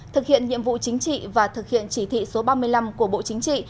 thực hiện nhiệm vụ chính trị và thực hiện chỉ thị số ba mươi năm của bộ chính trị